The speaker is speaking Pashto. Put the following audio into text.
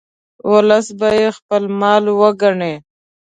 ولس به یې خپل مال وګڼي.